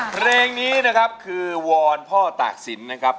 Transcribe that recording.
เพลงนี้นะครับคือวอนพ่อตากศิลป์นะครับ